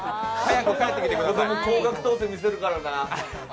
高額当選、見せるからな。